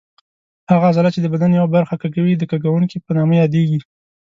هغه عضله چې د بدن یوه برخه کږوي د کږوونکې په نامه یادېږي.